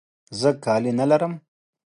زه کالي نه لرم.